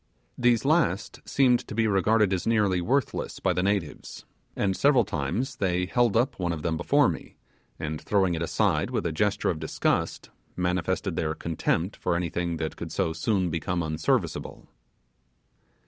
These last seemed to be regarded as nearly worthless by the natives; and several times they held up, one of them before me, and throwing it aside with a gesture of disgust, manifested their contempt for anything that could so soon become unserviceable.